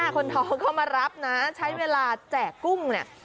คนท้องเข้ามารับนะใช้เวลาแจกกุ้งเนี่ย